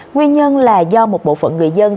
nguyên nhân là do một bộ phận người dân